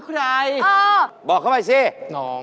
ถามพี่ปีเตอร์